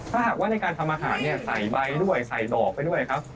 ถ้าหากว่าในการทำอาหารเนี่ยใส่ใบด้วยใส่ดอกไปด้วยครับ